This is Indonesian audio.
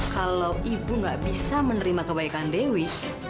kalau ibu gak bisa menerima kebaikan dewi